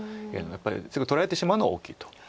やっぱりすぐ取られてしまうのは大きいと。